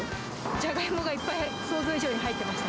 じゃがいもがいっぱい、想像以上に入ってました。